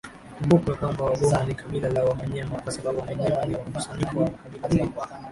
Ikumbukwe kwamba wagoma ni Kabila La wamanyema Kwasababu Wamanyema ni Mkusanyiko wa makabila zaidi